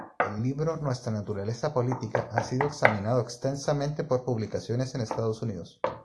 El libro "Nuestra naturaleza política" ha sido examinado extensamente por publicaciones en Estados Unidos.